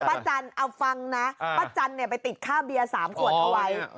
ป้าจันทร์เอาฟังนะป้าจันทร์ไปติดค่าเบียร์๓ขวดเอาไว้